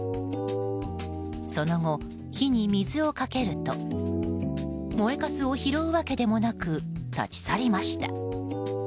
その後、火に水をかけると燃えかすを拾うわけでもなく立ち去りました。